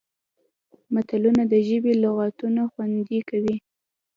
متلونه د ژبې لغتونه خوندي کوي